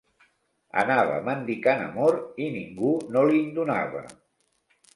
Anava mendicant amor i ningú no li'n donava.